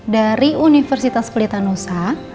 dari universitas pelitanusa